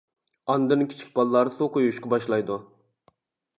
ئاندىن كىچىك بالىلار سۇ قويۇشقا باشلايدۇ.